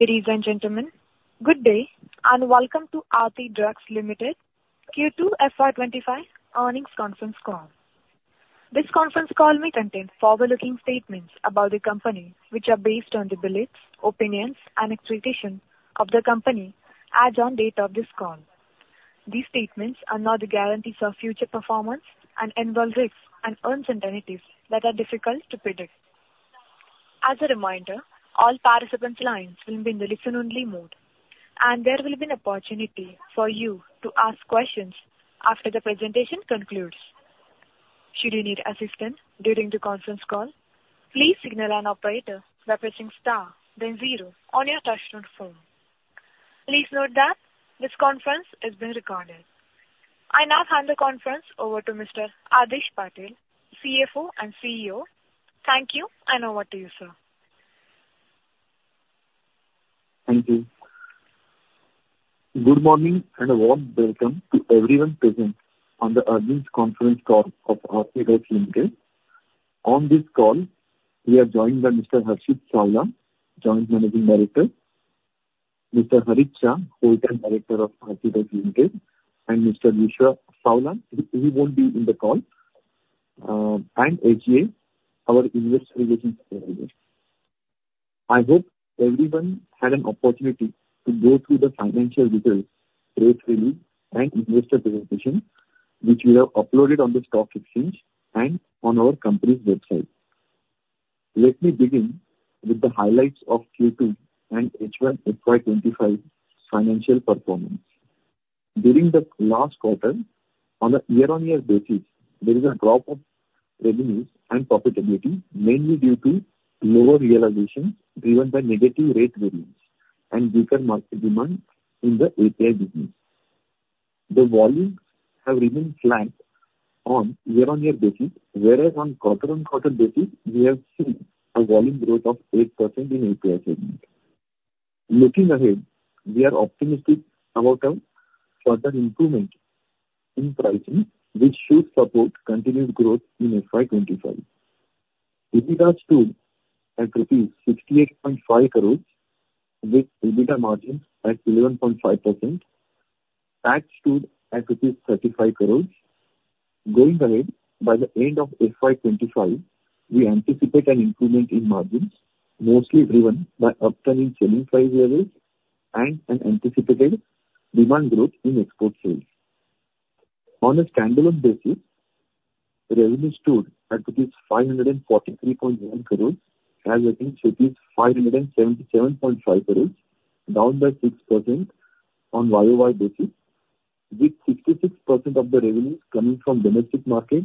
Ladies and gentlemen, good day, and welcome to Aarti Drugs Limited Q2 FY25 Earnings Conference Call. This conference call may contain forward-looking statements about the company, which are based on the beliefs, opinions and expectations of the company as on date of this call. These statements are not a guarantee for future performance and involve risks and uncertainties that are difficult to predict. As a reminder, all participants' lines will be in the listen-only mode, and there will be an opportunity for you to ask questions after the presentation concludes. Should you need assistance during the conference call, please signal an operator by pressing star then zero on your touchtone phone. Please note that this conference is being recorded. I now hand the conference over to Mr. Adhish Patil, CFO and COO. Thank you, and over to you, sir. Thank you. Good morning, and a warm welcome to everyone present on the earnings conference call of Aarti Drugs Limited. On this call, we are joined by Mr. Harshit Savla, Joint Managing Director, Mr. Harit Shah, Whole-Time Director of Aarti Drugs Limited, and Mr. Vishal Savla, he won't be in the call, and SGA, our Investor Relations Manager. I hope everyone had an opportunity to go through the financial details, press release, and investor presentation, which we have uploaded on the stock exchange and on our company's website. Let me begin with the highlights of Q2 and H1 FY twenty-five financial performance. During the last quarter, on a year-on-year basis, there is a drop of revenues and profitability, mainly due to lower realization, driven by negative rate variance and weaker market demand in the API business. The volumes have remained flat on year-on-year basis, whereas on quarter-on-quarter basis, we have seen a volume growth of 8% in API segment. Looking ahead, we are optimistic about a further improvement in pricing, which should support continued growth in FY 2025. EBITDA stood at rupees 68.5 crores, with EBITDA margin at 11.5%. Tax stood at INR 35 crores. Going ahead, by the end of FY 2025, we anticipate an improvement in margins, mostly driven by upcoming selling price levels and an anticipated demand growth in export sales. On a standalone basis, revenue stood at rupees 543.1 crores, as against rupees 577.5 crores, down by 6% on YOY basis, with 66% of the revenues coming from domestic market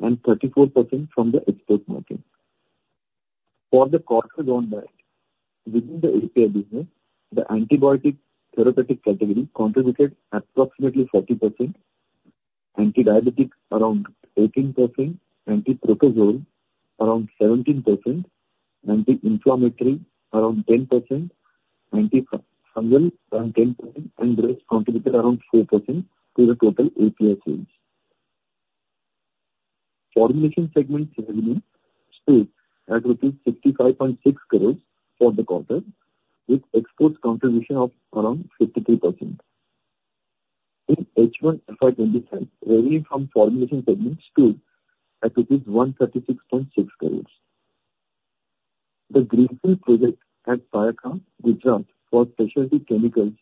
and 34% from the export market. For the quarter gone by, within the API business, the antibiotic therapeutic category contributed approximately 40%, antidiabetic around 18%, antiprotozoal around 17%, anti-inflammatory around 10%, antifungal around 10%, and drugs contributed around 4% to the total API sales. Formulation segment revenue stood at rupees 65.6 crores for the quarter, with exports contribution of around 53%. In H1 FY 2025, revenue from formulation segment stood at 136.6 crores. The greenfield project at Saykha, Gujarat, for specialty chemicals,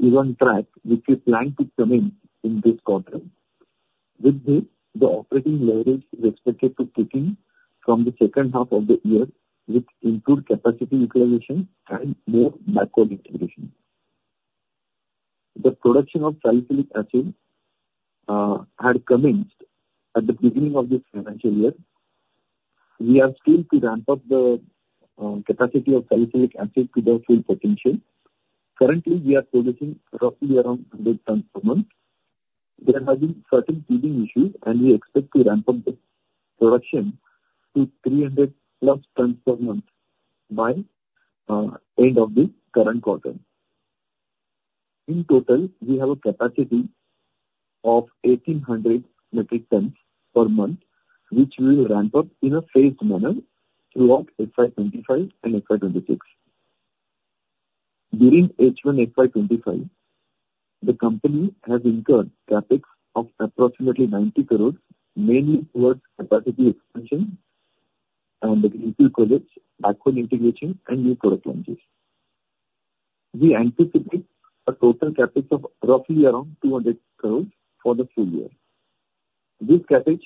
is on track, which is planned to commence in this quarter. With this, the operating leverage is expected to kick in from the second half of the year, which include capacity utilization and more backward integration. The production of salicylic acid had commenced at the beginning of this financial year. We are still to ramp up the capacity of salicylic acid to the full potential. Currently, we are producing roughly around 100 tons per month. There have been certain teething issues, and we expect to ramp up the production to 300+ tons per month by end of the current quarter. In total, we have a capacity of 1,800 metric tons per month, which we will ramp up in a phased manner throughout FY 2025 and FY 2026. During H1 FY 2025, the company has incurred CapEx of approximately 90 crores, mainly towards capacity expansion and utility outlets, backward integration and new product launches. We anticipate a total CapEx of roughly around 200 crores for the full year. This CapEx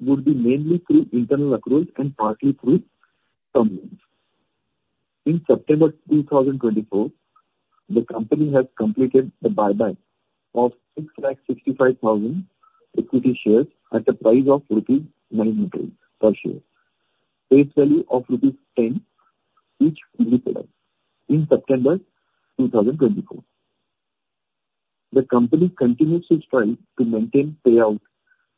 would be mainly through internal accruals and partly through term loans. In September 2024, the company has completed the buyback of six lakh sixty-five thousand equity shares at a price of rupees 190 per share. Face value of rupees 10, which will be paid out in September 2024. The company continues to strive to maintain payout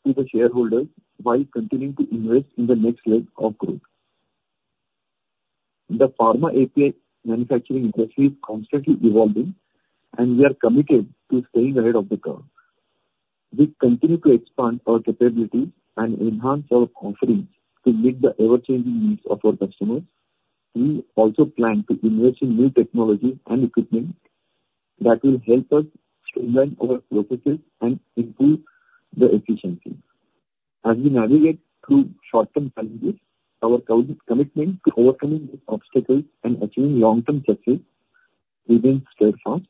to the shareholders while continuing to invest in the next leg of growth. The pharma API manufacturing industry is constantly evolving, and we are committed to staying ahead of the curve. We continue to expand our capabilities and enhance our offerings to meet the ever-changing needs of our customers. We also plan to invest in new technology and equipment that will help us streamline our processes and improve the efficiency. As we navigate through short-term challenges, our commitment to overcoming obstacles and achieving long-term success remains steadfast.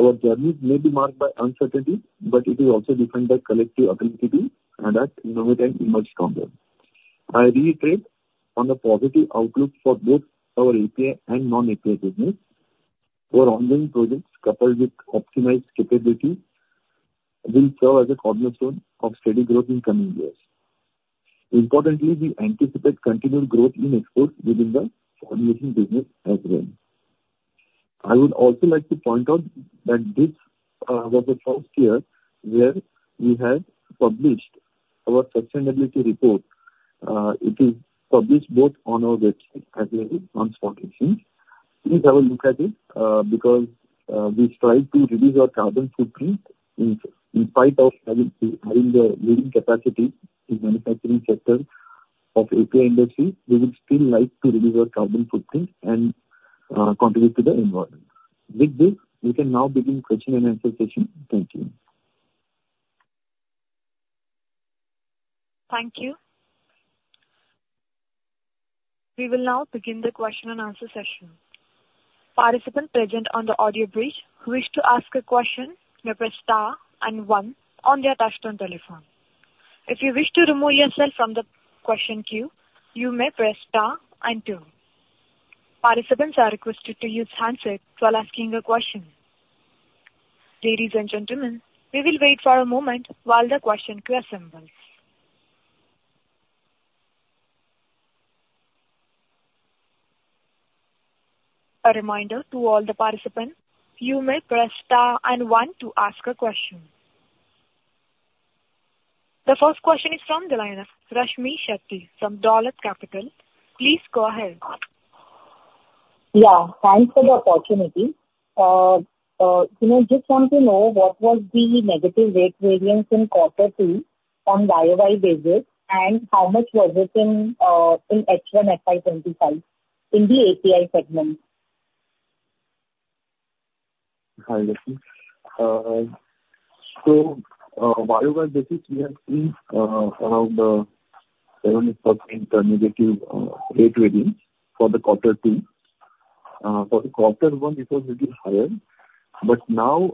Our journeys may be marked by uncertainty, but it is also defined by collective ability and as innovate and emerge stronger. I reiterate on the positive outlook for both our API and non-API business. Our ongoing projects, coupled with optimized capability, will serve as a cornerstone of steady growth in coming years. Importantly, we anticipate continued growth in exports within the formulation business as well. I would also like to point out that this was the first year where we have published our sustainability report. It is published both on our website, available on Stock Exchange. Please have a look at it, because we strive to reduce our carbon footprint in spite of having the leading capacity in manufacturing sector of API industry, we would still like to reduce our carbon footprint and contribute to the environment. With this, we can now begin question and answer session. Thank you. Thank you. We will now begin the question and answer session. Participants present on the audio bridge, who wish to ask a question, may press star and one on their touchtone telephone. If you wish to remove yourself from the question queue, you may press star and two. Participants are requested to use handsets while asking a question. Ladies and gentlemen, we will wait for a moment while the question queue assembles. A reminder to all the participants, you may press star and one to ask a question. The first question is from the line of Rashmi Sancheti from Dolat Capital. Please go ahead. Yeah, thanks for the opportunity. You know, just want to know, what was the negative rate variance in quarter two on YOY basis, and how much was it in H1 FY 2025 in the API segment? Hi, Rashmi. So, on a YOY basis, we have seen around 7%-8% negative rate variance for the quarter two. For the quarter one, it was little higher, but now,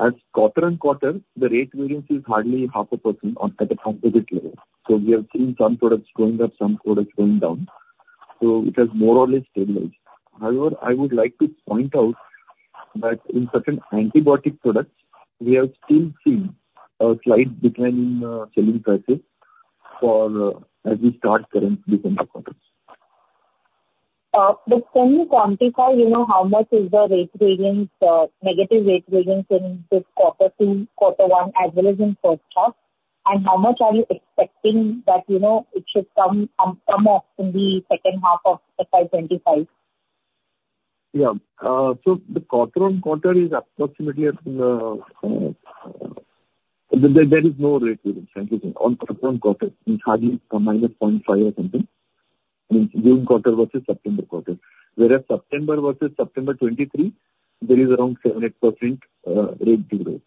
as quarter-on-quarter, the rate variance is hardly 0.5% on a composite level. So we have seen some products going up, some products going down, so it has more or less stabilized. However, I would like to point out that in certain antibiotic products, we have still seen a slight decline in selling prices for as we start currently in the quarter. But can you quantify, you know, how much is the rate variance, negative rate variance in this quarter two, quarter one as well as in first half? And how much are you expecting that, you know, it should come, come off in the second half of FY 2025? Yeah. So the quarter-on-quarter is approximately at. There is no rate variance, thank you, on quarter-on-quarter. It's hardly a minus point five or something, in June quarter versus September quarter. Whereas September versus September 2023, there is around 7-8% rate decrease.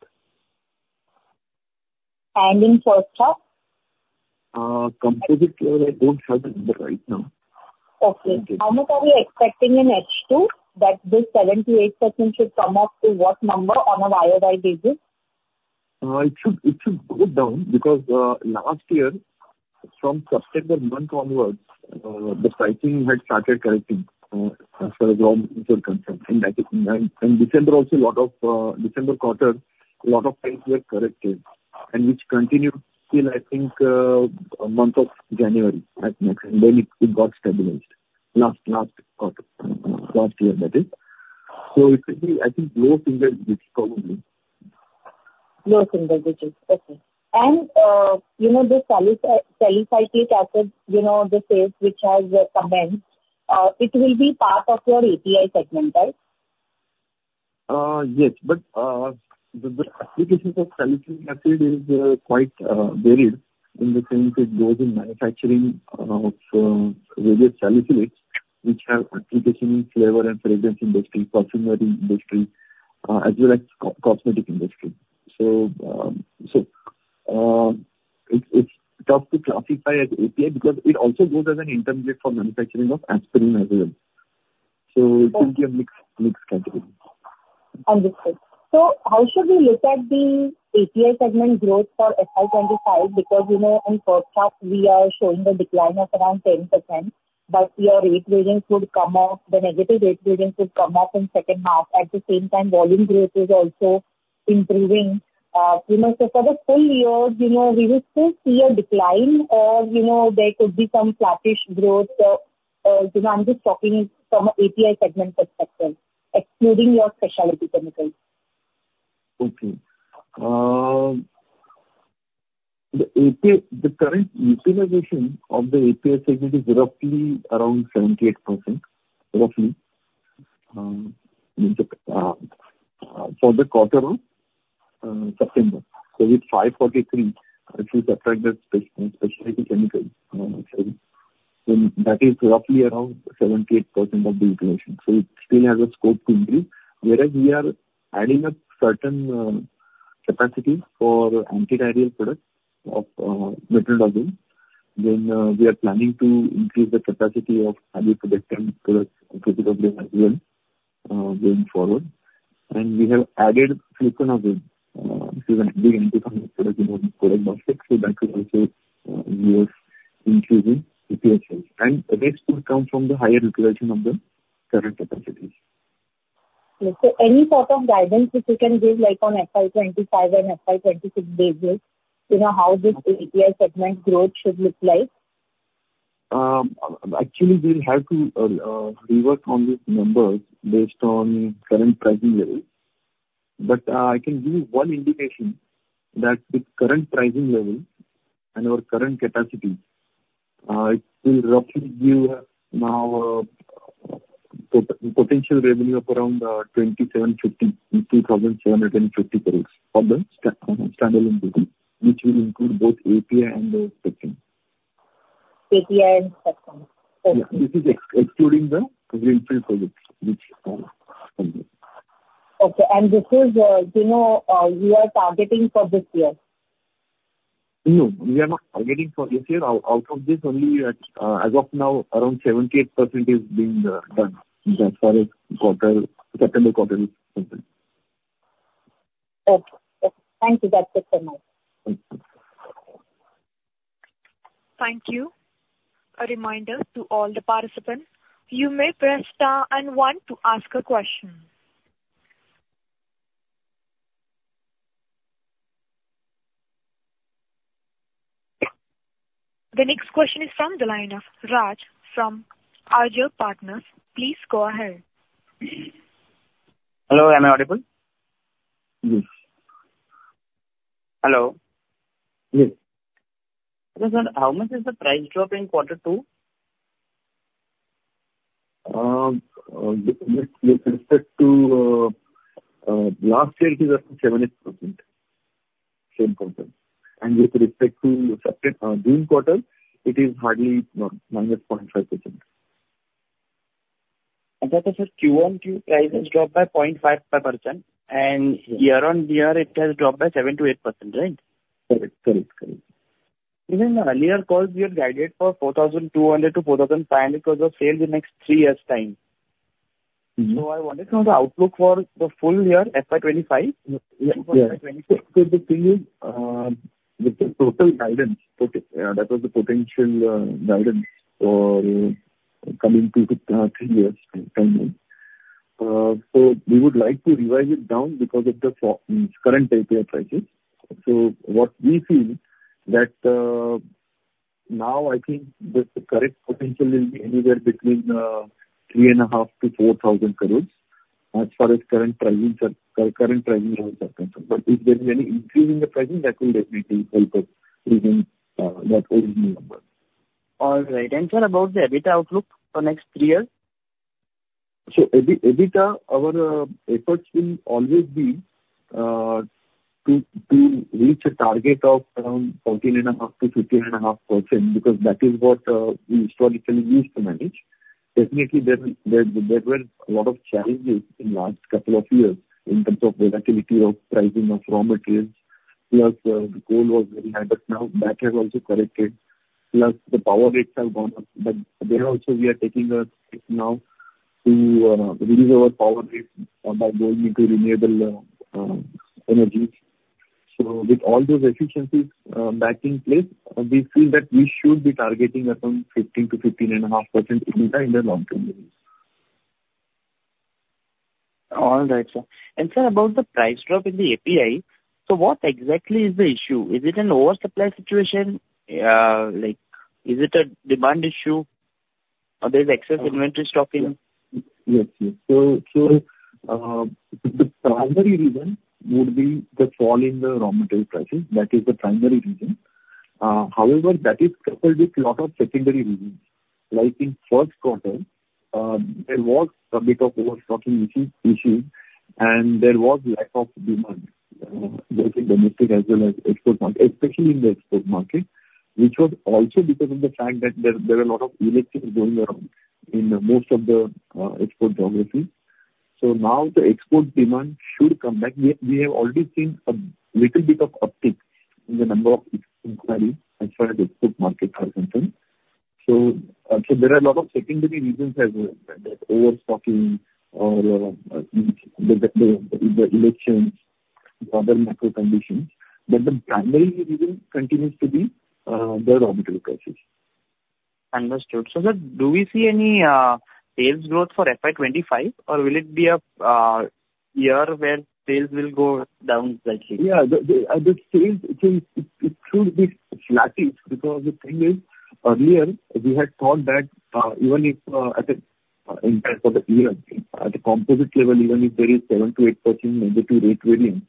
And in first half? Composite level, I don't have it right now. Okay. How much are we expecting in H2, that this 7-8% should come up to what number on a YOY basis? It should go down, because last year, from September month onwards, the pricing had started correcting, as far as raw materials are concerned. And that is, and December also, a lot of December quarter, a lot of things were corrected, and which continued till, I think, month of January at max, and then it got stabilized. Last quarter, last year, that is. So it will be, I think, low single digits, probably. Low single digits. Okay. And, you know, the Salicylic Acid, you know, the sales which have commenced, it will be part of your API segment, right? Yes, but the applications of salicylic acid is quite varied in the sense it goes in manufacturing of various salicylates, which have application in flavor and fragrance industry, perfumery industry, as well as cosmetic industry. So it's tough to classify as API because it also goes as an intermediate for manufacturing of aspirin as well. So it will be a mixed category. Understood. So how should we look at the API segment growth for FY 2025? Because, you know, in first half we are showing a decline of around 10%, but your rate variance would come off, the negative rate variance would come off in second half. At the same time, volume growth is also improving. You know, so for the full year, you know, we will still see a decline, or, you know, there could be some flattish growth. You know, I'm just talking from an API segment perspective, excluding your specialty chemicals. Okay. The API, the current utilization of the API segment is roughly around 78%, roughly, in the quarter of September. It's 543, if you subtract the Specialty Chemicals. Then that is roughly around 78% of the utilization. It still has a scope to increase. Whereas we are adding certain capacities for antidiarrheal products of Metronidazole. We are planning to increase the capacity of Amoxicillin product, presumably as well, going forward, and we have added Fluconazole, which is an antifungal product, so that is also we are increasing API sales. The rest will come from the higher utilization of the current capacities. Okay, so any sort of guidance which you can give, like on FY 2025 and FY 2026 basis, you know, how this API segment growth should look like? Actually, we'll have to rework on these numbers based on current pricing levels. But, I can give you one indication that with current pricing level and our current capacity, it will roughly give us now potential revenue of around 2,750 crores for the standalone business, which will include both API and the Special Chemicals. API and Special Chemicals. Yeah. This is excluding the greenfield projects, which are pending. Okay. And this is, you know, we are targeting for this year? No, we are not targeting for this year. Out of this, only at, as of now, around 78% is being done as far as quarter, September quarter is concerned. Okay. Thank you. That's it for now. Thank you. Thank you. A reminder to all the participants, you may press star and one to ask a question. The next question is from the line of Raj from RJ Partners. Please go ahead. Hello, am I audible? Yes. Hello. Yes. So how much is the price drop in quarter two? With respect to last year, it is up to 7-8%, same percent. With respect to September June quarter, it is hardly minus 0.5%. That is just Q1. Prices dropped by 0.5%, and year-on-year, it has dropped by 7%-8%, right? Correct, correct, correct. In an earlier call, we had guided for 4,200-4,500 crores of sales in next three years' time. I wanted to know the outlook for the full year, FY 2025. Yeah, yeah. FY 2024. So the thing is, with the total guidance, okay, that was the potential guidance for the coming two to three years' time. So we would like to revise it down because of the fall in current API prices. So what we feel that now I think that the current potential will be anywhere between 3,500 to 4,000 crores as far as current pricing are concerned. But if there is any increase in the pricing, that will definitely help us within that original number. All right. And sir, about the EBITDA outlook for next three years? EBITDA, our efforts will always be to reach a target of around 14.5%-15.5%, because that is what we historically used to manage. Definitely, there were a lot of challenges in last couple of years in terms of the volatility of pricing of raw materials, plus, the coal was very high, but now that has also corrected. Plus, the power rates have gone up, but there also we are taking a hit now to reduce our power rates by going into renewable energies. So with all those efficiencies that in place, we feel that we should be targeting around 15%-15.5% EBITDA in the long term. All right, sir. And sir, about the price drop in the API, so what exactly is the issue? Is it an oversupply situation? Like, is it a demand issue, or there's excess inventory stocking? Yes, yes. So, the primary reason would be the fall in the raw material prices. That is the primary reason. However, that is coupled with lot of secondary reasons. Like in first quarter, there was a bit of overstocking issues, and there was lack of demand, both in domestic as well as export market, especially in the export market, which was also because of the fact that there were a lot of elections going around in most of the export geographies. So now the export demand should come back. We have already seen a little bit of uptick in the number of inquiries as far as the export market are concerned. There are a lot of secondary reasons as well, like overstocking or the elections, other macro conditions, but the primary reason continues to be the raw material prices. Understood. So then, do we see any sales growth for FY 2025, or will it be a year where sales will go down slightly? Yeah, the sales, it should be flattish, because the thing is, earlier, we had thought that, even if, at the end for the year, at the composite level, even if there is 7%-8% negative rate variance,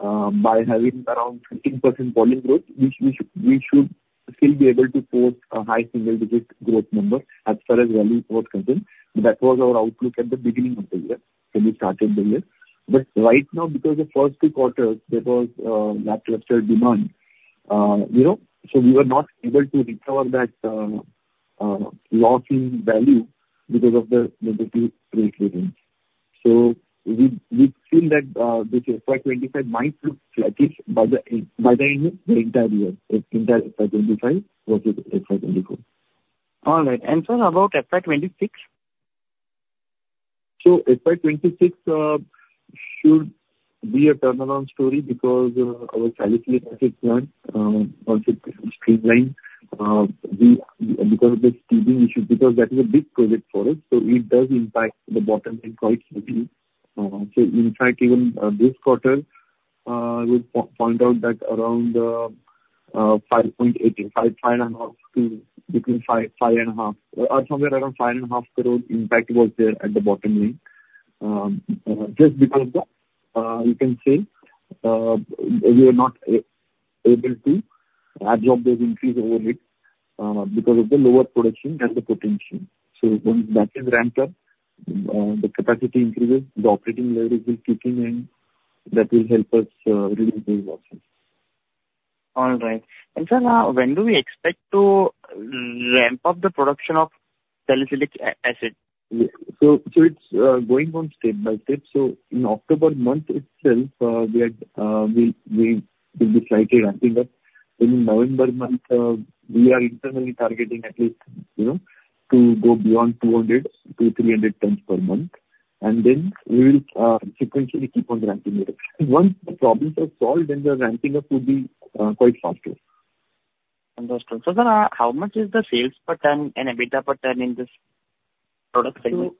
by having around 15% volume growth, we should still be able to post a high single digit growth number as far as value growth is concerned. That was our outlook at the beginning of the year, when we started the year. But right now, because the first two quarters, there was lackluster demand, you know, so we were not able to recover that loss in value because of the negative rate variance. So we feel that this FY 2025 might look flattish by the end of the entire year, FY 2025 versus FY 2024. All right, and sir, about FY 2026? So FY 2026 should be a turnaround story because our salicylic acid plant also streamlined. We, because of the streamlining issue, because that is a big project for us, so it does impact the bottom line quite heavily. So in fact, even this quarter, we point out that around 5.85, 5.5, between 5 and 5.5, somewhere around 5.5 crores impact was there at the bottom line. Just because the, you can say, we are not able to absorb those increase overhead because of the lower production and the potential. So when that is ramped up, the capacity increases, the operating leverage will kick in, and that will help us reduce these losses. All right. And sir, when do we expect to ramp up the production of salicylic acid? It's going on step by step. In October month itself, we will be slightly ramping up. In November month, we are internally targeting at least, you know, to go beyond two hundred to three hundred tons per month, and then we will sequentially keep on ramping it up. Once the problems are solved, then the ramping up will be quite faster. Understood. So sir, how much is the sales per ton and EBITDA per ton in this product segment?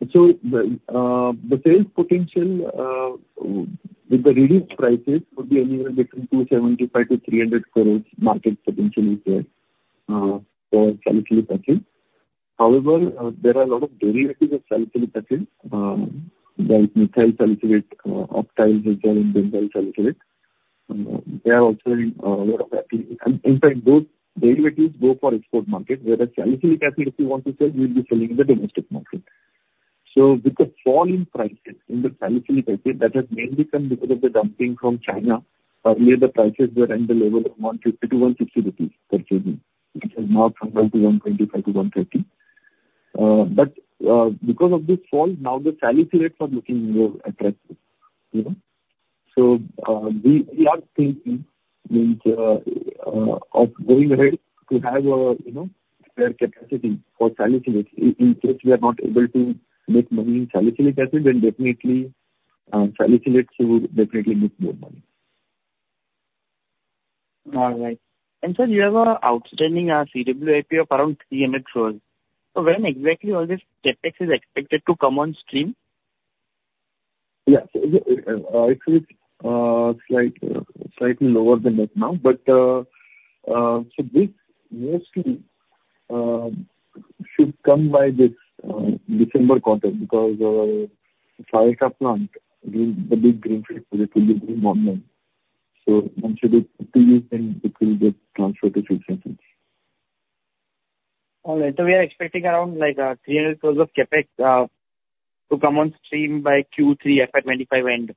The sales potential with the reduced prices would be anywhere between 275 to 300 crores market potential is there for salicylic acid. However, there are a lot of derivatives of salicylic acid like methyl salicylate, octyl salicylate, benzyl salicylate. They are also in a lot of. In fact, those derivatives go for export market, where the salicylic acid, if you want to sell, you'll be selling in the domestic market. With the fall in prices in the salicylic acid, that has mainly come because of the dumping from China. Earlier, the prices were in the level of 150 to 160 per kg, which is now from 125 to 130. But because of this fall, now the salicylates are looking more attractive, you know? We are thinking of going ahead to have a, you know, spare capacity for salicylates. In case we are not able to make money in salicylic acid, then definitely, salicylates will definitely make more money. All right, and sir, you have an outstanding CWIP of around 300 crores, so when exactly all this CapEx is expected to come on stream? Yeah. So, it is slightly lower than that now, but so this mostly should come by this December quarter, because Vapi plant, the big greenfield, it will be online. So once it is complete, then it will get transferred to future things. All right. So we are expecting around, like, 300 crores of CapEx to come on stream by Q3 FY 2025 end?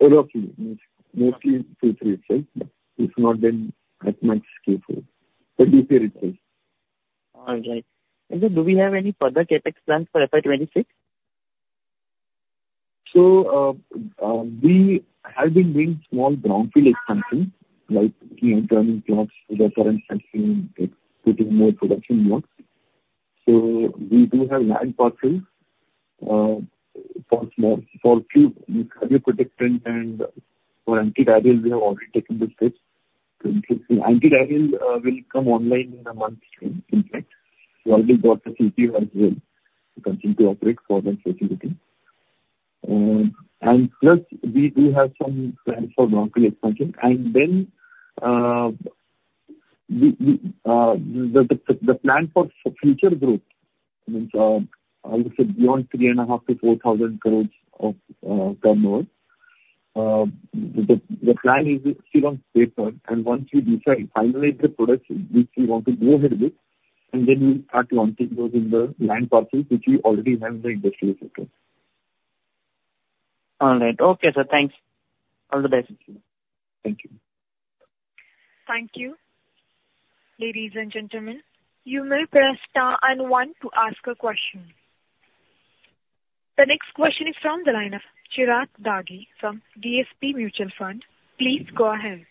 Exactly. Mostly, mostly Q3 itself, if not, then at max Q4. But you see it itself. All right. And sir, do we have any further CapEx plans for FY 2026? So, we have been doing small brownfield expansion, like key internal plants that are currently sitting, putting more production blocks. We do have land parcels for small, for few cardioprotectant and for antidiarrheal. We have already taken the steps. Antidiarrheal will come online in a month's time, in fact. I will get the EC as well to continue to operate for that facility. And plus, we have some plans for brownfield expansion. Then, the plan for future growth means I would say beyond 3.5-4,000 crores of turnover. The plan is still on paper, and once we decide, finalize the products which we want to go ahead with, and then we'll start launching those in the land parcels which we already have in the industrial sector. All right. Okay, sir. Thanks. All the best. Thank you. Thank you. Ladies and gentlemen, you may press star and one to ask a question. The next question is from the line of Chirag Dagli from DSP Mutual Fund. Please go ahead.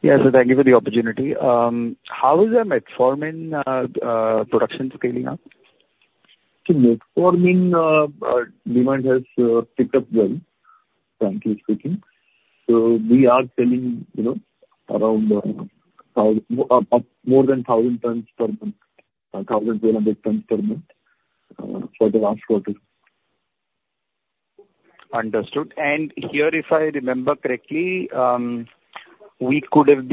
Yes, sir, thank you for the opportunity. How is the Metformin production scaling up? The Metformin demand has picked up well, frankly speaking. So we are selling, you know, around more than thousand tons per month, thousand tons per month, for the last quarter. Understood. And here, if I remember correctly, we can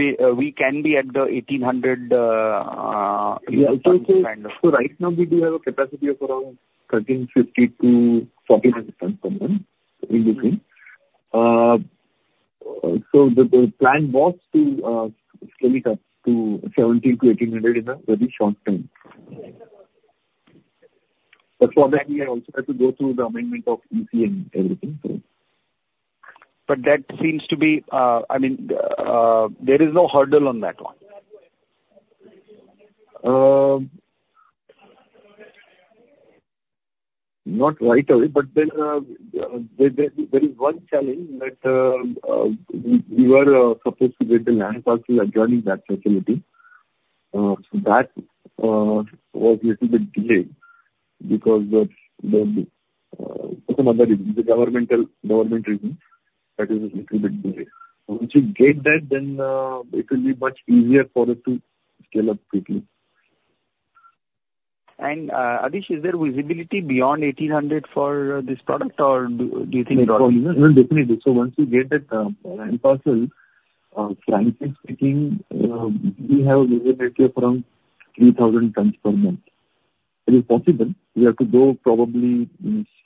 be at the eighteen hundred. Yeah, so right now, we do have a capacity of around thirteen fifty to fourteen hundred tons per month, in between. So the plan was to scale it up to seventeen to eighteen hundred in a very short time. But for that, we also have to go through the amendment of EC and everything, so. But that seems to be, I mean, there is no hurdle on that one? Not right away, but then there is one challenge that we were supposed to get the land parcel adjoining that facility. So that was little bit delayed because for some other reason, the government reason, that is a little bit delayed. Once you get that, then it will be much easier for us to scale up quickly. Adhish, is there visibility beyond eighteen hundred for this product, or do you think? No, definitely. So once you get that land parcel, frankly speaking, we have a visibility of around 3,000 tons per month. It is possible we have to go probably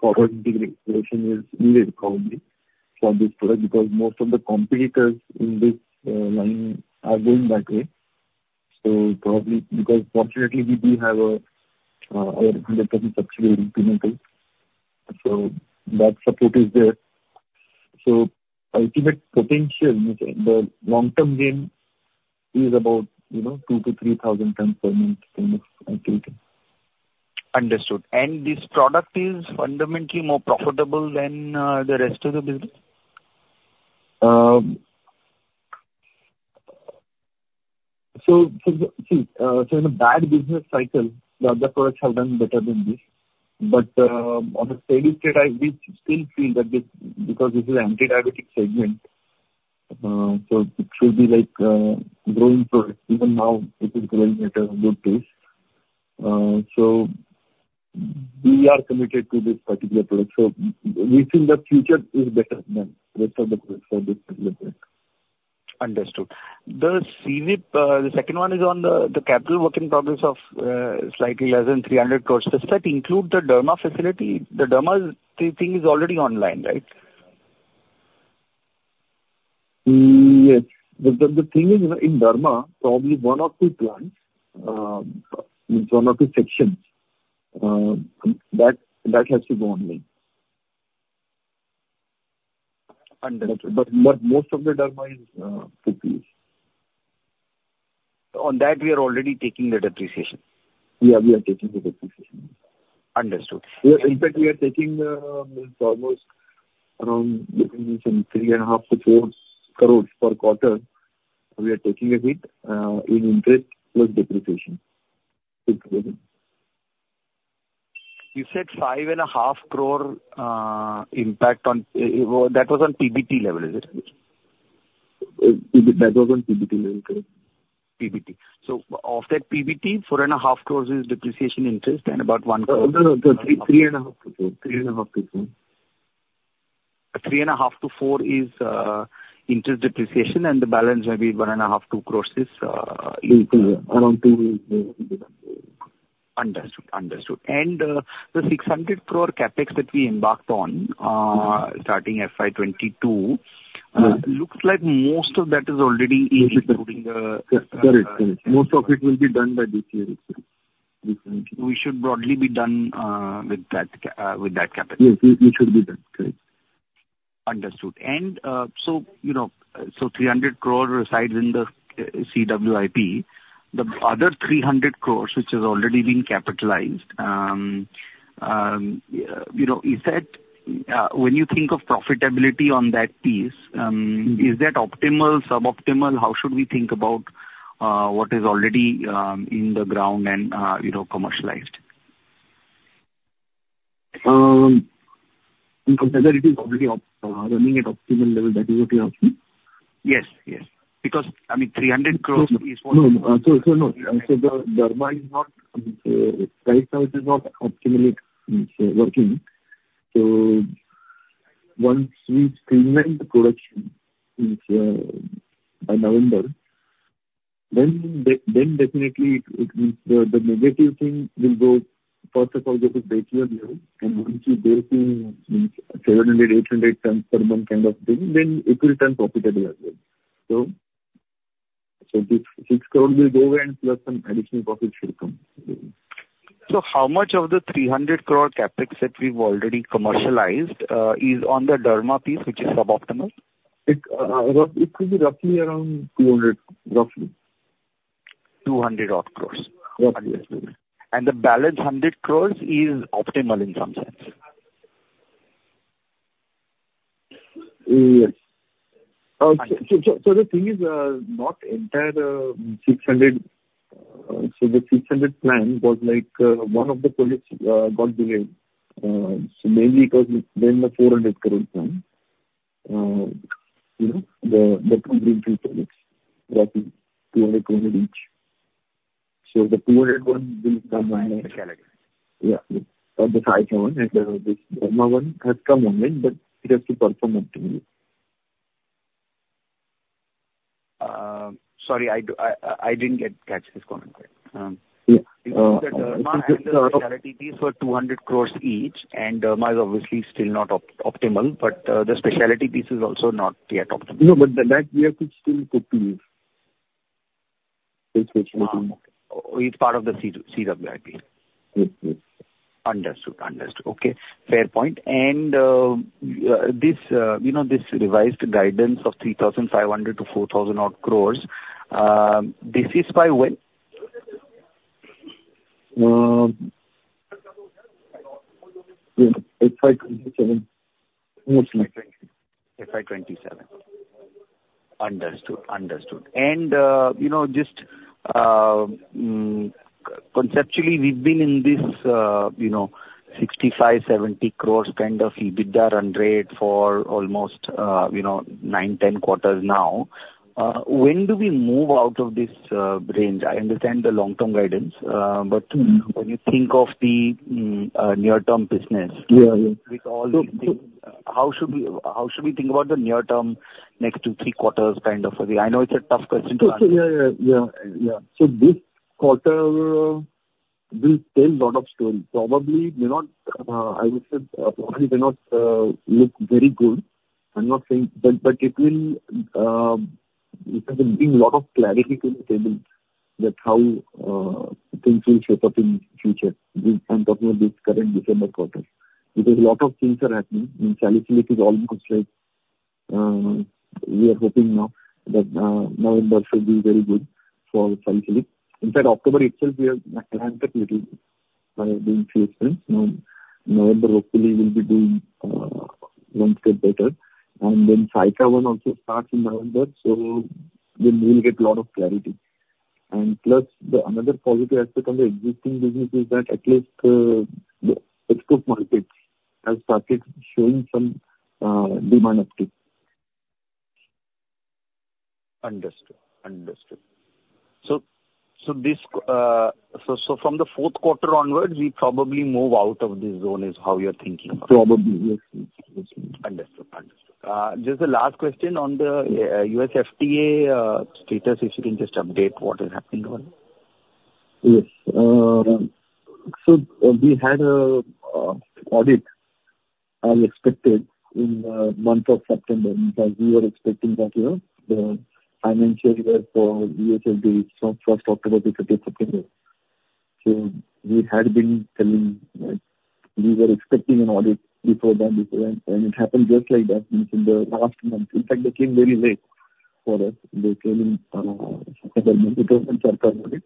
forward integration is needed probably for this product, because most of the competitors in this line are going that way. So probably because fortunately we do have a 100% subsidiary, Pinnacle. So that support is there. So ultimate potential, the long-term game is about, you know, 2,000-3,000 tons per month kind of ultimate. Understood. And this product is fundamentally more profitable than the rest of the business? So in a bad business cycle, the other products have done better than this. But on a steady state, we still feel that this, because this is anti-diabetic segment, so it should be like growing product. Even now, it is growing at a good pace. So we are committed to this particular product. So we think the future is better than rest of the products for this particular product. Understood. The CWIP, the second one is on the capital work in progress of slightly less than 300 crores. Does that include the derma facility? The derma thing is already online, right? Yes. The thing is, you know, in derma, probably one or two plants, one or two sections, that has to go online. Understood. But most of the derma is complete. On that, we are already taking the depreciation? Yeah, we are taking the depreciation. Understood. Yeah. In fact, we are taking almost around between 3.5 to 4 crores per quarter. We are taking a hit in interest plus depreciation. You said 5.5 crore impact on. That was on PBT level, is it? That was on PBT level, correct. PBT. So of that PBT, 45 million is depreciation, interest, and about one- No, no. Three, three and a half, three and a half, basically. 3.5-4 is interest depreciation, and the balance maybe 1.5-2 crores is. Around two, yeah. Understood. Understood. And, the 600 crore CapEx that we embarked on, starting FY 2022, looks like most of that is already including the- Correct. Correct. Most of it will be done by this year. We should broadly be done with that CapEx. Yes, we should be done. Correct. Understood. And, so, you know, so 300 crores resides in the, CWIP. The other 300 crores, which has already been capitalized, you know, is that, when you think of profitability on that piece, is that optimal, suboptimal? How should we think about, what is already, in the ground and, you know, commercialized? In terms of profitability, it is already running at optimal level. That is what you ask me? Yes, yes. Because, I mean, 300 crores is- No, so no. The derma is not right now optimally working. Once we commence the production, which by November, then definitely the negative thing will go. First of all, there is break even, and once you break even, means 700-800 tons per month kind of thing, then it will turn profitable as well. This 6 crore will go away and plus some additional profit should come. How much of the 300 crore CapEx that we've already commercialized is on the derma piece, which is suboptimal? It could be roughly around two hundred, roughly. 200 odd crores. Correct. The balance 100 crores is optimal in some sense? Yes. The thing is, not the entire 600. The 600 plan was like, one of the products got delayed. Mainly because then the 400 crore plan, you know, the two greenfield products, roughly 200 crore each. The 200 one will come online. Okay. Yeah. Or the greenfield one, and the brownfield one has come online, but it has to perform optimally. Sorry, I didn't catch this comment right. Yeah, uh, The pharma and the specialty, these were 200 crores each, and pharma is obviously still not optimal, but the specialty piece is also not yet optimal. No, but that we have to still put to use. This specialty. It's part of the CWIP? Mm-hmm. Understood. Understood. Okay, fair point. And, you know, this revised guidance of 3,500-4,000 odd crores, this is by when? It's by 2027, mostly. FY 2027. Understood. Understood. And, you know, just conceptually, we've been in this, you know, 65-70 crores kind of EBITDA run rate for almost, you know, 9-10 quarters now. When do we move out of this range? I understand the long-term guidance, but- Mm-hmm. when you think of the near-term business Yeah, yeah. How should we think about the near term, next two, three quarters, kind of a thing? I know it's a tough question to answer. Yeah, yeah. Yeah, yeah. So this quarter will tell a lot of story. Probably may not, I would say, probably may not, look very good. I'm not saying that, but it will, it has been bringing lot of clarity to the table that how, things will shape up in future. We, I'm talking about this current December quarter. Because a lot of things are happening. In Salicylate is almost like, we are hoping now that, November should be very good for Salicylate. In fact, October itself, we have recovered little by doing few things. Now, November hopefully will be doing, one step better. And then Saykha one also starts in November, so then we will get a lot of clarity. Plus, another positive aspect on the existing business is that at least the export markets have started showing some demand uptake. Understood. Understood. So, so this, so, so from the fourth quarter onwards, we probably move out of this zone, is how you're thinking? Probably, yes. Yes. Understood. Understood. Just the last question on the USFDA status, if you can just update what is happening on? Yes. So we had a audit expected in the month of September. In fact, we were expecting that, you know, the financial year for USFDA, from 1st October to 2nd September. So we had been telling, we were expecting an audit before then, and it happened just like that, means in the last month. In fact, they came very late for us. They came in September. It was in September.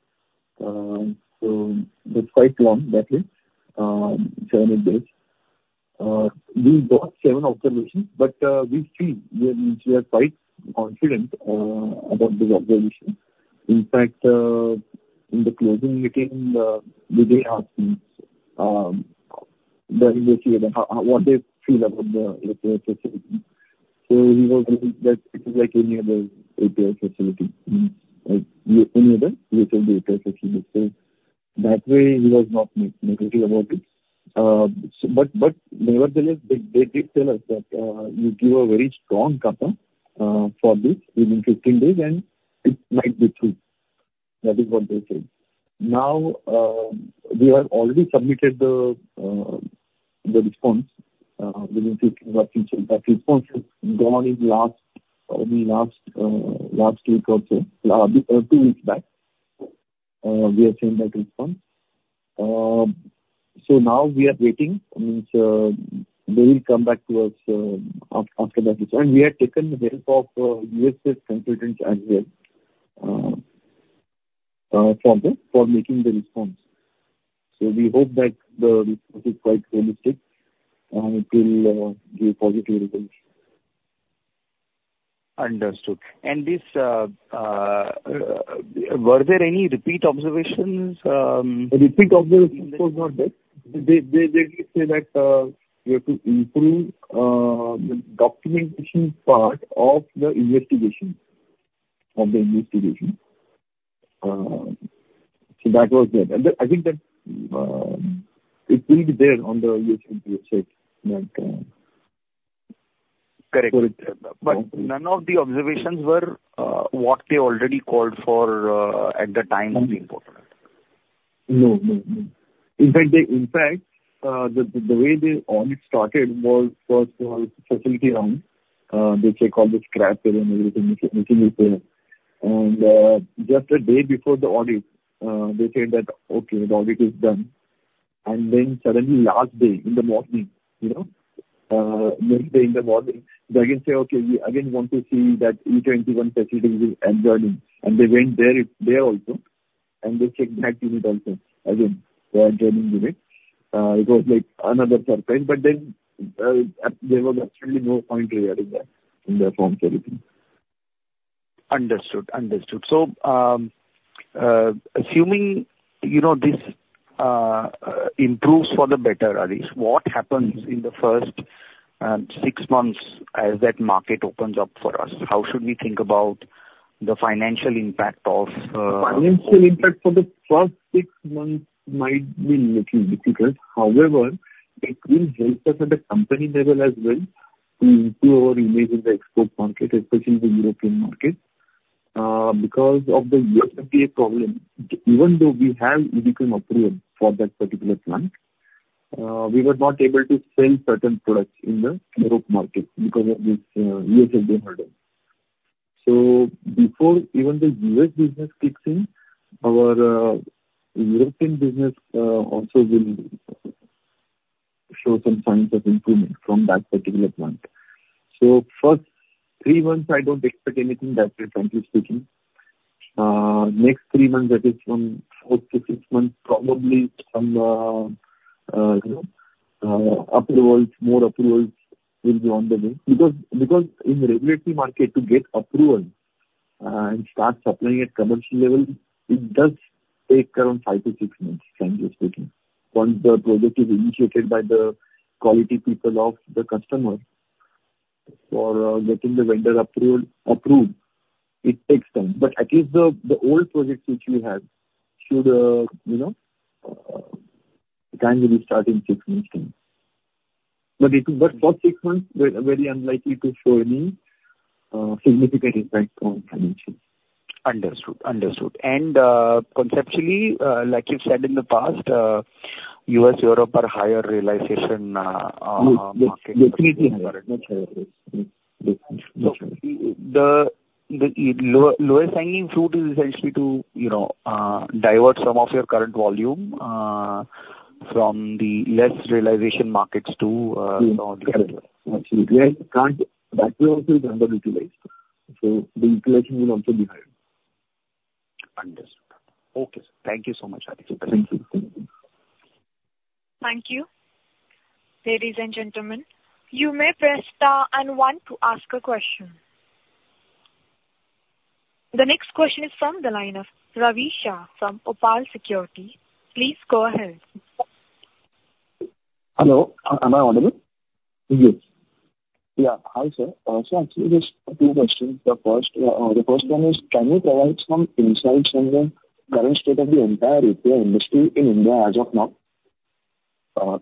So it's quite long, that way, seven, eight days. We got seven observations, but we feel we are quite confident about the observation. In fact, in the closing meeting, they asked me that we see the how, what they feel about the API facility. So he was saying that it is like any other API facility. Mm. Like, any other usual API facility. So that way, he was not negative about it. So, but nevertheless, they did tell us that, "You give a very strong CAPA for this within 15 days, and it might be true." That is what they said. Now, we have already submitted the response, within taking what we changed. That response has gone in the last week or so. Two weeks back, we have sent that response. So now we are waiting, which they will come back to us, after that response. And we have taken the help of USFDA consultants as well, for making the response. So we hope that the response is quite realistic, and it will give positive results. Understood. And this, were there any repeat observations? Repeat observations, so not that. They say that we have to improve the documentation part of the investigation. So that was there. And I think that it will be there on the USFDA site that. Correct. Correct. But none of the observations were what they already called for at the time of the import? No, no, no. In fact, in fact, the way the audit started was first facility round. They check all the scrap and everything, which is there. And just a day before the audit, they said that: "Okay, the audit is done." And then suddenly, last day, in the morning, you know, maybe in the morning, they again say: "Okay, we again want to see that E-twenty one facility and building." And they went there, there also, and they checked that unit also. Again, the adjoining unit. It was like another surprise, but then, there was absolutely no point really there in the forms everything. Understood. So, assuming, you know, this improves for the better, at least, what happens in the first six months as that market opens up for us. How should we think about the financial impact of. Financial impact for the first six months might be little difficult. However, it will help us at the company level as well to improve our image in the export market, especially in the European market. Because of the USFDA problem, even though we have medical approval for that particular plant, we were not able to sell certain products in the Europe market because of this USFDA hurdle, so before even the U.S. business kicks in, our European business also will show some signs of improvement from that particular plant, so first three months, I don't expect anything drastically speaking. Next three months, that is from four to six months, probably some you know approvals, more approvals will be on the way. Because in regulatory market, to get approval and start supplying at commercial level, it does take around five to six months, frankly speaking. Once the project is initiated by the quality people of the customer for getting the vendor approved, it takes time. But at least the old projects which we have should, you know, can be starting six months time. But it, but for six months, very unlikely to show any significant impact on financial. Understood. Understood. And, conceptually, like you've said in the past, U.S., Europe are higher realization, markets. Much higher, much higher, yes. Yes. So the lowest hanging fruit is essentially to, you know, divert some of your current volume from the less realization markets to more. Absolutely. We can't... That way also is underutilized, so the utilization will also be higher. Understood. Okay, sir. Thank you so much. Thank you. Thank you. Ladies and gentlemen, you may press star and one to ask a question. The next question is from the line of Ravi Shah from Opal Securities. Please go ahead. Hello, am I audible? Yes. Yeah. Hi, sir. So actually just two questions. The first, the first one is, can you provide some insights on the current state of the entire API industry in India as of now?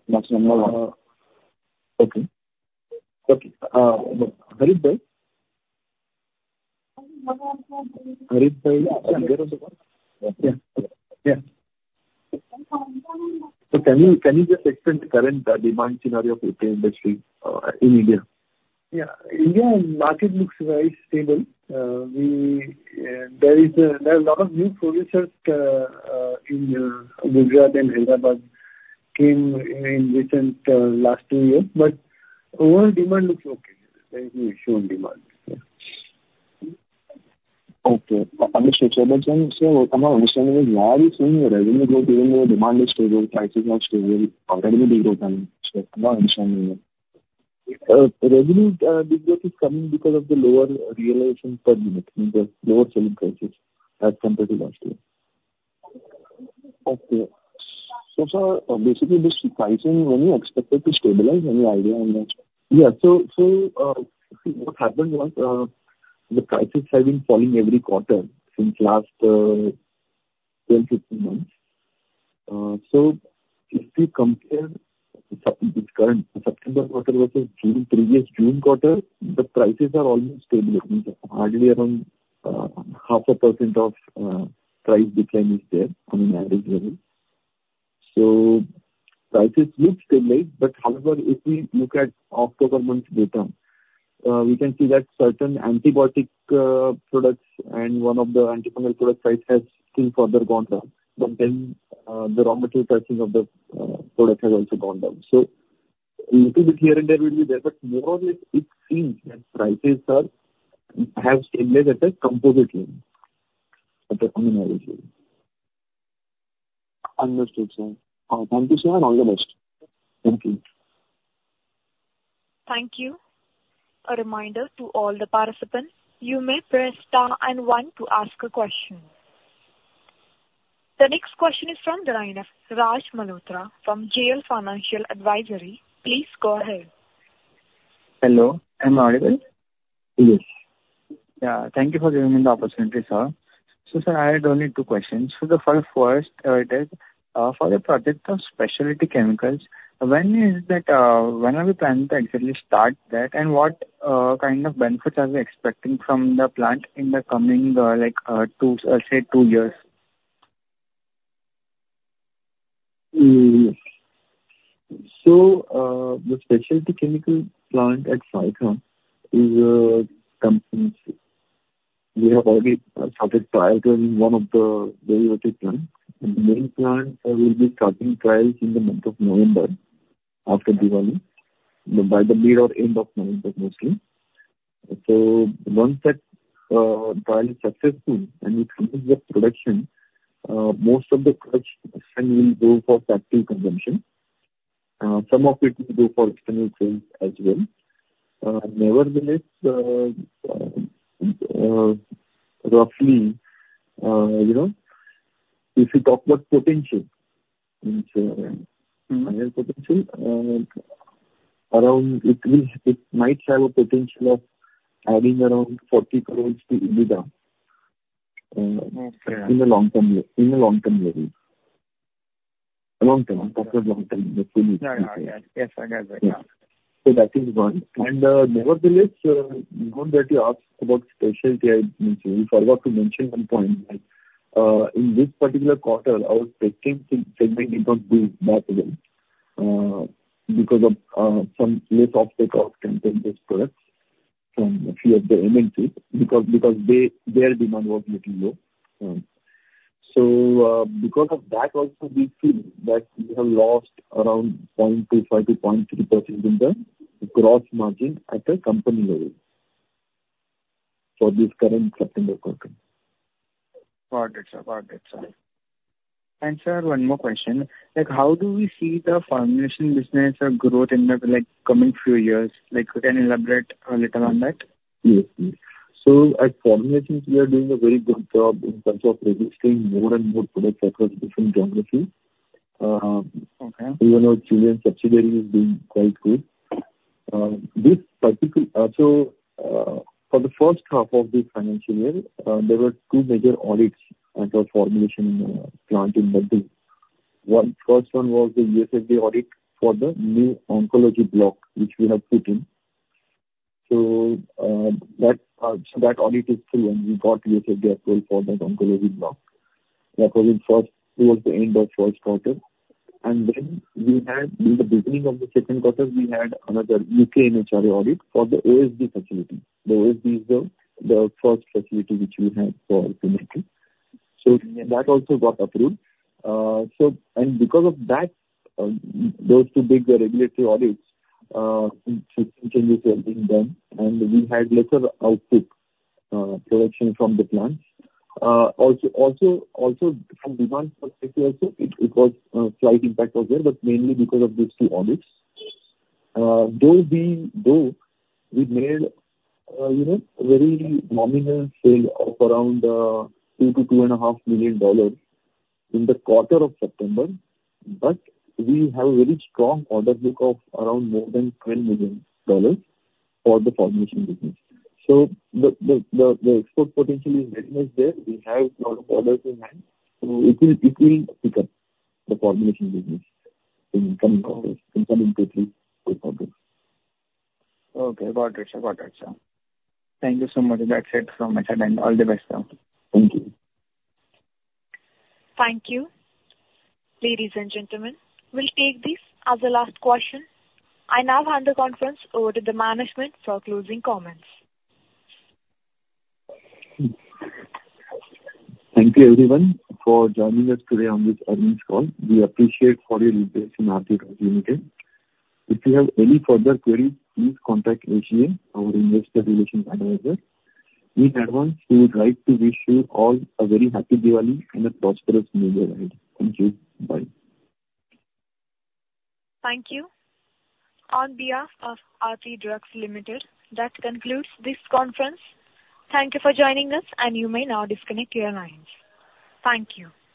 That's number one. Okay. Okay. Harit Shah? Harit Shah, are you there on the line? Yeah. Yeah. So can you just explain the current demand scenario of API industry in India? Yeah. India market looks very stable. There are a lot of new producers in Gujarat and Hyderabad that came in recent last two years. But overall demand looks okay. There is good demand. Yeah. Okay. Understandable, sir. So my understanding is, why are you seeing a revenue growth, even though demand is stable, prices are stable, revenue growth coming? So my understanding here. Revenue decline is coming because of the lower realization per unit, means the lower selling prices as compared to last year. Okay. So sir, basically, this pricing, when you expect it to stabilize? Any idea on that? Yeah. So what happened was, the prices have been falling every quarter since last twelve, fifteen months. So if we compare Sep, this current September quarter versus June, previous June quarter, the prices are almost stable. Means hardly around 0.5% of price decline is there on an average level. So prices look stable, but however, if we look at October month's data, we can see that certain antibiotic products and one of the antifungal product price has still further gone down, but then the raw material pricing of the product has also gone down. So little bit here and there will be there, but more or less, it seems that prices are have stabilized at a composite level, on an average level. Understood, sir. Thank you, sir, and all the best. Thank you. Thank you. A reminder to all the participants, you may press star and one to ask a question. The next question is from the line of Raj Malhotra from JL Financial Advisory. Please go ahead. Hello, am I audible? Yes. Yeah, thank you for giving me the opportunity, sir. So sir, I have only two questions. So, for the first, is for the project of specialty chemicals, when is that, when are we planning to actually start that? And what kind of benefits are we expecting from the plant in the coming, like, say, two years? So, the specialty chemical plant at Saykha is coming. We have already started trial in one of the derivative plant. The main plant will be starting trials in the month of November, after Diwali, by the mid or end of November, mostly. So once that trial is successful and it comes with production, most of the production will go for captive consumption. Some of it will go for external sales as well. Nevertheless, roughly, you know, if you talk about potential, around, it is, it might have a potential of adding around 40 crores to EBITDA. Okay. In the long term, in the long term, maybe. Long term, I talk about long term. Yeah, yeah. Yes, I got that, yeah. So that is one. And, nevertheless, now that you asked about specialty, I mean. I forgot to mention one point, that, in this particular quarter, our specialty segment did not do that well, because of, some late order products from a few of the MNCs, because they, their demand was little low. So, because of that also, we feel that we have lost around 0.25%-0.3% in the gross margin at the company level for this current September quarter. Got it, sir. Got it, sir. Sir, one more question: Like, how do we see the formulation business or growth in the, like, coming few years? Like, you can elaborate a little on that? Yes. So at formulations, we are doing a very good job in terms of registering more and more products across different geographies. Okay. Even our Chilean subsidiary is doing quite good. So, for the first half of this financial year, there were two major audits at our formulation plant in Mumbai. One, first one was the USFDA audit for the new oncology block, which we have put in. So, that audit is through and we got USFDA approval for that oncology block. That was in first, towards the end of first quarter. And then we had, in the beginning of the second quarter, we had another U.K. MHRA audit for the ASD facility. The ASD is the first facility which we had for formulations. So that also got approved. And because of that, those two big regulatory audits in Q3 done, and we had lesser output, production from the plants. Also, from demand perspective also, it, it was slight impact was there, but mainly because of these two audits. Those being though, we made, you know, very nominal sale of around $2 million-$2.5 million in the quarter of September, but we have a very strong order book of around more than $10 million for the formulation business. So the export potential is very much there. We have lot of orders in hand, so it will, it will pick up the formulation business in coming quarters, in coming two, three quarters. Okay, got it, sir. Got it, sir. Thank you so much. That's it from my side, and all the best, sir. Thank you. Thank you. Ladies and gentlemen, we'll take this as the last question. I now hand the conference over to the management for closing comments. Thank you everyone for joining us today on this earnings call. We appreciate for your interest in Aarti Drugs Limited. If you have any further queries, please contact SGA, our investor relations advisor. In advance, we would like to wish you all a very happy Diwali and a prosperous new year ahead. Thank you. Bye. Thank you. On behalf of Aarti Drugs Limited, that concludes this conference. Thank you for joining us, and you may now disconnect your lines. Thank you.